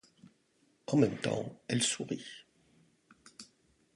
En même temps elle sourit.